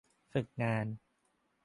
ฝึกงาน